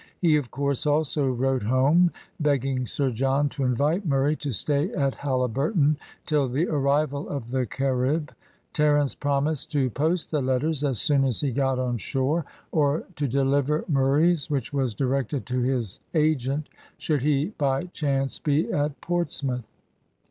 He, of course, also wrote home, begging Sir John to invite Murray to stay at Halliburton till the arrival of the Carib. Terence promised to post the letters as soon as he got on shore, or to deliver Murray's, which was directed to his agent, should he by chance be at Portsmouth.